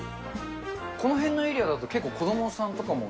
この辺のエリアだと結構子どもさんとかも？